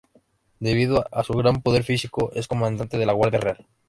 Debido a su gran poder físico es Comandante de la Guardia Real.